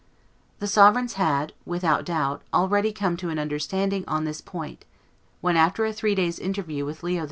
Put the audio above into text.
The two sovereigns had, without doubt, already come to an understanding on this point, when, after a three days' interview with Leo X.